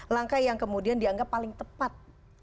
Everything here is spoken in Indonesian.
langkah yang kemudian dianggap paling tepat